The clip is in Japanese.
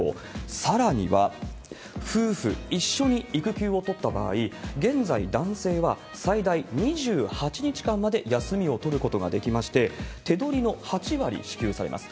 さらには夫婦一緒に育休を取った場合、現在、男性は最大２８日間まで休みを取ることができまして、手取りの８割支給されます。